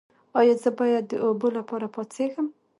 ایا زه باید د اوبو لپاره پاڅیږم؟